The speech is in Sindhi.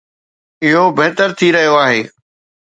اهو بهتر ٿي رهيو آهي.